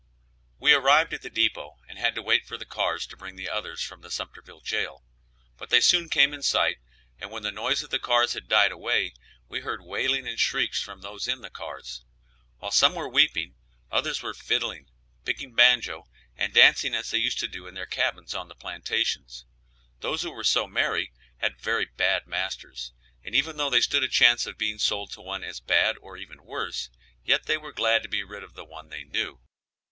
We arrived at the depot and had to wait for the cars to bring the others from the Sumterville jail, but they soon came in sight, and when the noise of the cars had died away, we heard wailing and shrieks from those in the cars. While some were weeping, others were fiddling, picking banjo, and dancing as they used to do in their cabins on the plantations. Those who were so merry had very bad masters, and even though they stood a chance of being sold to one as bad or even worse, yet they were glad to be rid of the one they knew.